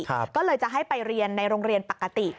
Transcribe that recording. ก็เลยจะให้ไปเรียนในโรงเรียนปกติ